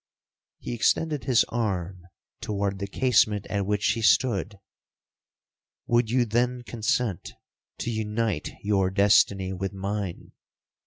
He extended his arm toward the casement at which she stood.—'Would you then consent to unite your destiny with mine?